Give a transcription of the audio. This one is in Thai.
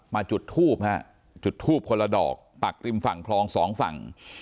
มาจุดทูบคนละดอกปากริมฝั่งคลอง๒ฝั่ง